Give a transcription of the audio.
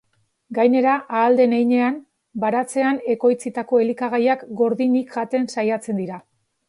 Gainera, ahal den heinean, baratzean ekoitzitako elikagaiak gordinik jaten saiatzen dira.